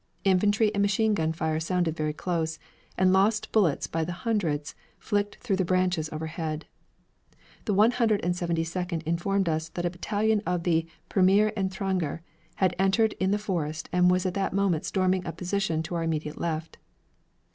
Infantry and machine gun fire sounded very close, and lost bullets by the hundreds flicked through the branches overhead. The One Hundred and Seventy Second informed us that a battalion of the Premier Étranger had entered the forest and was at that moment storming a position to our immediate left.